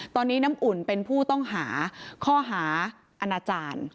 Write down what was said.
ตอนนี้น้ำอุ่นเป็นผู้ต้องหาข้อหาอาณาจารย์